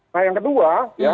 nah yang kedua